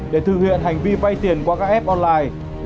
để thực hiện hành vi vay tiền qua các app online